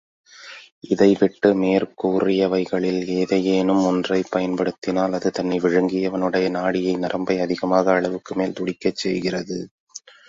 இதைவிட்டு மேற்கூறியவைகளில் எதையேனும் ஒன்றைப் பயன்படுத்தினால், அது தன்னை விழுங்கியவனுடைய நாடியை, நரம்பை அதிகமாக அளவுக்குமேல் துடிக்கச் செய்கிறது.